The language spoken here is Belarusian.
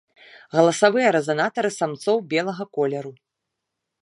Галасавыя рэзанатары самцоў белага колеру.